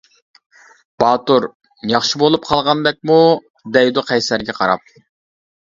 باتۇر:-ياخشى بولۇپ قالغاندەكمۇ دەيدۇ قەيسەرگە قاراپ.